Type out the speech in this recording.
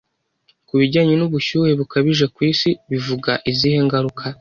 kubijyanye n'ubushyuhe bukabije ku isi bivuga izihe ngaruka